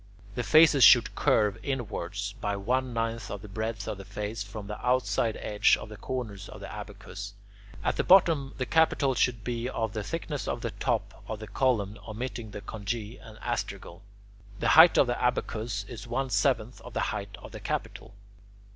The faces should curve inwards, by one ninth of the breadth of the face, from the outside edge of the corners of the abacus. At the bottom the capital should be of the thickness of the top of the column omitting the conge and astragal. The height of the abacus is one seventh of the height of the capital.